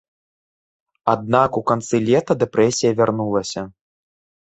Аднак у канцы лета дэпрэсія вярнулася.